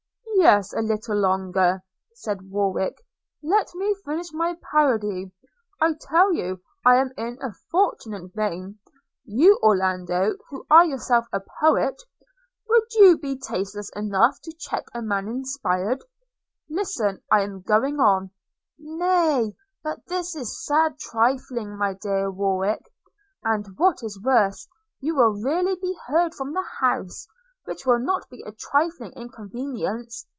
– 'Yes, a little longer,' said Warwick; 'let me finish my parody; I tell you I am in a fortunate vein. – You, Orlando, who are yourself a poet, would you be tasteless enough to check a man inspired? – Listen, I am going on –' 'Nay, but this is sad trifling, my dear Warwick! and what is worse, you will really be heard from the house, which will not be a trifling inconvenience.